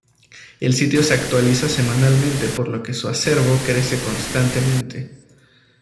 El sitio se actualiza semanalmente por lo que su acervo crece constantemente.